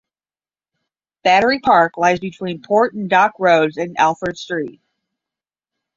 Battery Park lies between Port and Dock Roads and Alfred Street.